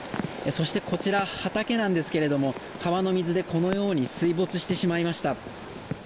そして、こちら、畑なんですが川の水でこのように水没してしまいました。